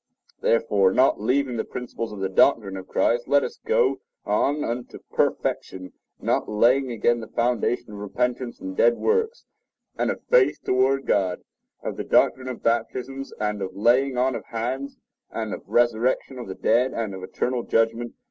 "Therefore, not leaving the principles of the doctrine of Christ, let us go on unto perfection; not laying again the foundation of repentance from dead works, and of faith toward God, of the doctrine of baptisms, and of laying on of hands, and of resurrection of the dead, and of eternal judgment.